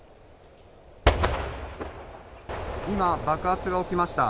今、爆発が起きました。